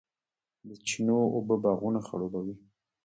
د چینو اوبه باغونه خړوبوي.